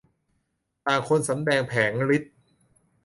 ต่างตนสำแดงแผลงฤทธิ์